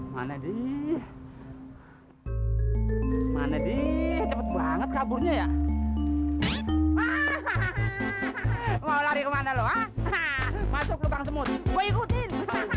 mau lari kemana lo masuk lubang semut gue ikutin